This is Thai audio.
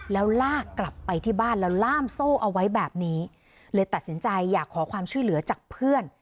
แล้วลากกลับไปที่บ้านแล้วล่ามโซ่เอาไว้แบบนี้เลยตัดสินใจอยากขอความช่วยเหลือจากเพื่อน